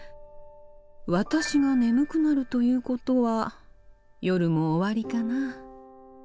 私が眠くなるということは夜も終わりかな。